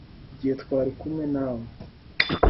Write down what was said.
Igihe twari kumwe nawe